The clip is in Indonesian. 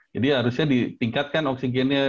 jadi harusnya ditingkatkan oksigennya